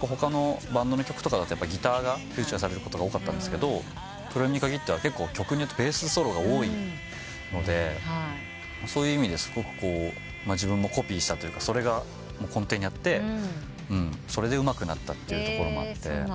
他のバンドの曲だとギターがフィーチャーされることが多かったんですけど黒夢に限っては結構曲によってベースソロが多いのでそういう意味ですごく自分もコピーしたというかそれが根底にあってそれでうまくなったというところもあって。